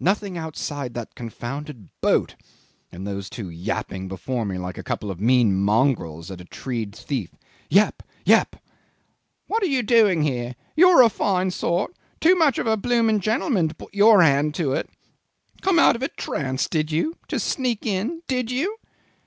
Nothing outside that confounded boat and those two yapping before me like a couple of mean mongrels at a tree'd thief. Yap! yap! 'What you doing here? You're a fine sort! Too much of a bloomin' gentleman to put your hand to it. Come out of your trance, did you? To sneak in? Did you?